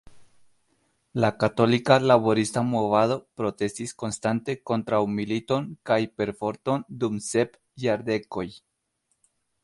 La Katolika Laborista Movado protestis konstante kontraŭ militon kaj perforton dum sep jardekoj.